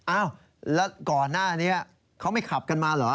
อ้าวแล้วก่อนหน้านี้เขาไม่ขับกันมาเหรอ